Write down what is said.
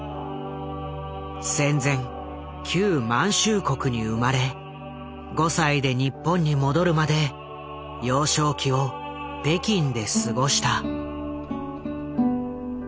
戦前旧満州国に生まれ５歳で日本に戻るまで幼少期を北京で過ごした。